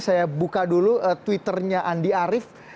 saya buka dulu twitternya andi arief